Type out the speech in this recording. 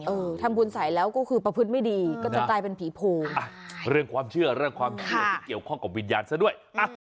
เออทำบุญใส่แล้วก็คือประพฤติไม่ดีก็จะกลายเป็นผีโพงอ่ะเรื่องความเชื่อเรื่องความเชื่อที่เกี่ยวข้องกับวิญญาณซะด้วย